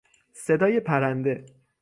صدای پرنده